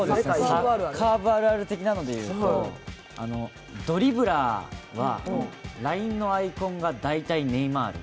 サッカー部あるある的なので言うと、ドリブラーはＬＩＮＥのアイコンが大体、ネイマール。